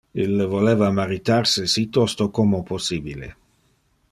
Ille voleva maritar se si tosto como possibile.